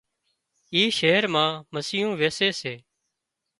اي شهر مان مسيون ويسي سي